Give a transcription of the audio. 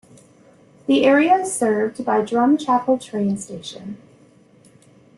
The area is served by Drumchapel Train Station.